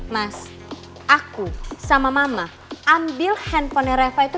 mas aku sama mama ambil handphonenya reva itu